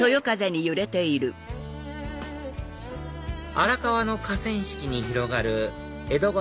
荒川の河川敷に広がる江戸川